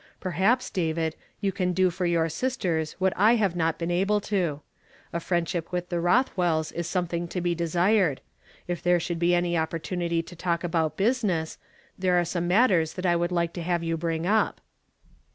Perhaps, David, you can do for your sisters what I have not been able to. A friendship with the Rothwells is something to be desired. If there should be any ox^portunity to *^filti' 214 YfiSOJERDAY FRAMED IN TO DAV. talk about business, there are some matters tluil I would like to have you bring up."